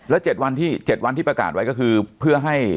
แล้ว๗วันที่ประกาศไว้ก็คือเพื่อให้